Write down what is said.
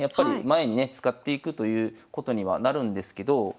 前にね使っていくということにはなるんですけど。